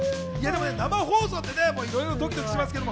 でも生放送でいろいろドキドキしますけど。